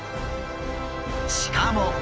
しかも！